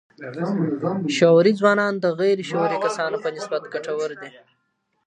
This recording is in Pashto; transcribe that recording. شعوري ځوانان د غير شعوري کسانو په نسبت ګټور دي.